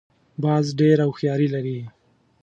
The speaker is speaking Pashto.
باز ډېره هوښیاري لري